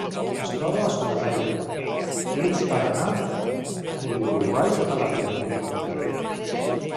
Es troba a Sud-amèrica: rius Paranà i Uruguai a l'Argentina.